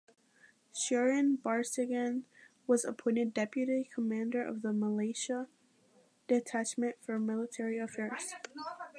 Suren Barseghyan was appointed Deputy Commander of the "Malatia" detachment for military affairs.